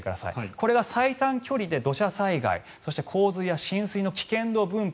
これは最短距離で土砂災害そして、洪水や浸水の危険度分布